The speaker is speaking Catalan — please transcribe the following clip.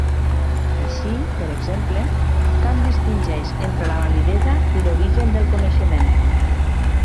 Així, per exemple, Kant distingeix entre la validesa i l'origen del coneixement.